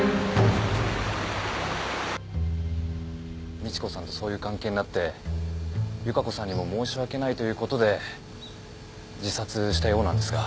美知子さんとそういう関係になって由加子さんにも申し訳ないということで自殺したようなんですが。